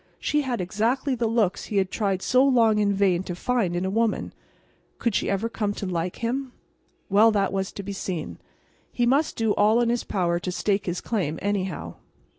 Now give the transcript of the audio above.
She had exactly the looks he had tried so long in vain to find in a woman. Could she ever come to like him? Well, that was to be seen. He must do all in his power to stake his claim, anyhow.